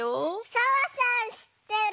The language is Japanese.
澤さんしってる！